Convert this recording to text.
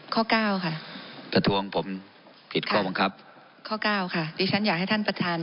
ข้อเก้าค่ะประท้วงผมผิดข้อบังคับข้อเก้าค่ะดิฉันอยากให้ท่านประธาน